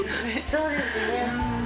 そうですね。